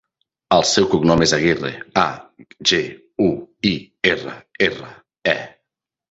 El seu cognom és Aguirre: a, ge, u, i, erra, erra, e.